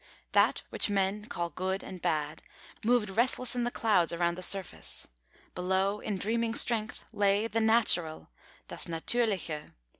That which men call Good and Bad, moved restless in the clouds around the surface; below, in dreaming strength, lay the Natural (das Natürliche).